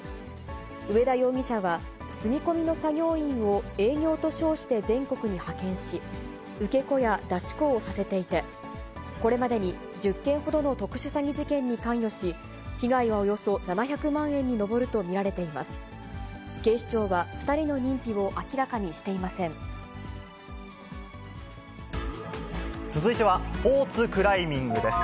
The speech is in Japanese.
植田容疑者は、住み込みの作業員を営業と称して全国に派遣し、受け子や出し子をさせていて、これまでに１０件ほどの特殊詐欺事件に関与し、被害はおよそ７００万円に上ると見られています。